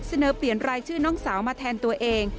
เสนอเปลี่ยนรายชื่อน้องสาวมาแทนตัวเอง